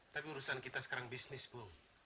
tapi urusan kita sekarang bisnis bu